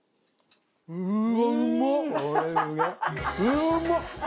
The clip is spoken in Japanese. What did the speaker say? うまっ！